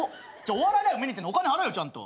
お笑いライブ見に行ってんならお金払えよちゃんと。